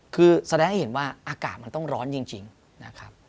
คือแสดงให้เห็นว่าอากาศมันต้องร้อนจริงนะครับ